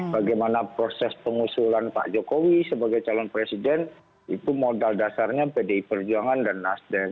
bagaimana proses pengusulan pak jokowi sebagai calon presiden itu modal dasarnya pdi perjuangan dan nasdem